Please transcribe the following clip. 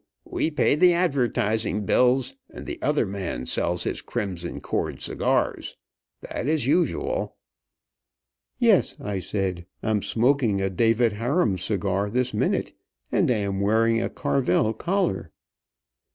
We pay the advertising bills, and the other man sells his Crimson Cord cigars. That is usual." "Tes," I said, "I'm smoking a David Harum cigar this minute, and I am wearing a Carvel collar."